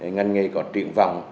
ngành nghề có triển vọng